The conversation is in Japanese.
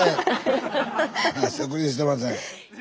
植林してません。